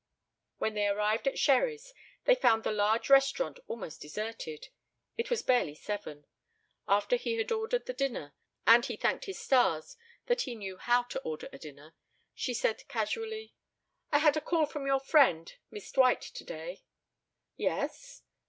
When they arrived at Sherry's they found the large restaurant almost deserted. It was barely seven. After he had ordered the dinner and he thanked his stars that he knew how to order a dinner she said casually: "I had a call from your friend, Miss Dwight, today." "Yes?